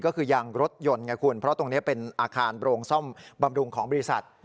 ก็คือยางรถยนต์ไงคุณเพราะตรงนี้เป็นอาคารโรงซ่อมบำรุงของบริษัท